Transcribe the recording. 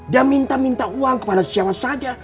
dia minta minta uang kepada siapa saja